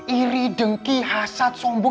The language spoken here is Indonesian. iri dengki hasat sombong